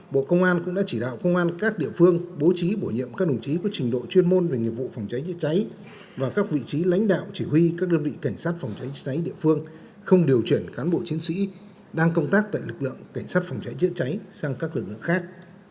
bộ công an cũng đã chỉ đạo công an các địa phương bố trí bổ nhiệm các đồng chí có trình độ chuyên môn về nghiệp vụ phòng cháy chữa cháy và các vị trí lãnh đạo chỉ huy các đơn vị cảnh sát phòng cháy cháy địa phương không điều chuyển cán bộ chiến sĩ đang công tác tại lực lượng cảnh sát phòng cháy chữa cháy sang các lực lượng khác